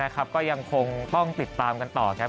ก็ยังคงต้องติดตามกันกันต่อ